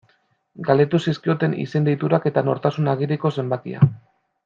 Galdetu zizkioten izen-deiturak eta nortasun agiriko zenbakia.